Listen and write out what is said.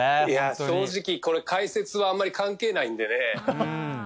正直、解説はあまり関係ないんでね。